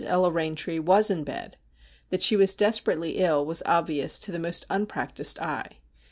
Ella Eaintree was in bed. That she was desperately ill was obvious to the most unpractised eye.